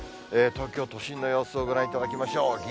東京都心の様子をご覧いただきましょう。